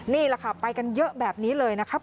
นี่แหละค่ะไปกันเยอะแบบนี้เลยนะครับ